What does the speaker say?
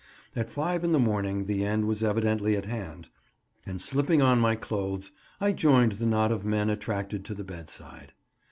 At five in the morning the end was evidently at hand, and slipping on my clothes, I joined the knot of men attracted to the bedside.